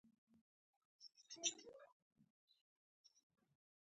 دا ستونزې وروسته زیاتې شوې